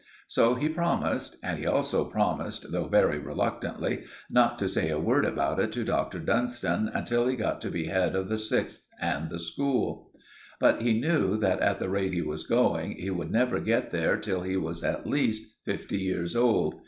So he promised; and he also promised, though very reluctantly, not to say a word about it to Dr. Dunstan until he got to be head of the sixth and the school. But he knew that at the rate he was going, he would never get there till he was at least fifty years old.